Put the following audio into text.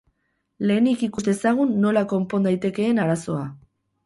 Lehenik ikus dezagun nola konpon daitekeen arazoa.